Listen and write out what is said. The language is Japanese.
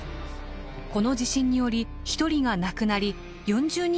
この地震により１人が亡くなり４０人余りが負傷。